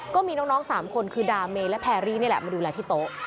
ก็มีน้อง๓คนคือดาเมและแพรรี่นี่แหละมาดูแลที่โต๊ะ